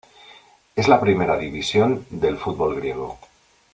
Es la primera división del fútbol griego.